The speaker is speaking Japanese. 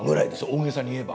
大げさに言えば。